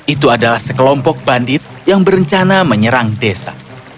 itu adalah sekelompok bandit yang berencana menyerang desa